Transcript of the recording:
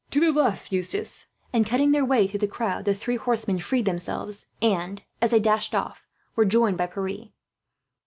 "To the left, Eustace;" and, cutting their way through the crowd, the three horsemen freed themselves and, as they dashed off, were joined by Pierre.